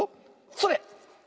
それ！